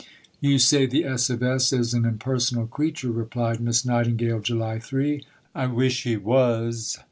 "You say the S. of S. is an impersonal creature," replied Miss Nightingale (July 3); "I wish he wuz!"